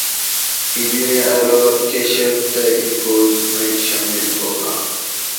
ایں بیرے ارو کہ شرط دہ ایں فوج مئ شامل ہوباۤں